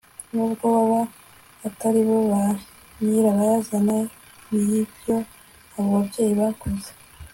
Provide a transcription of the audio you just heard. Nubwo baba atari bo ba nyirabayazana bibyo abo babyeyi bakoze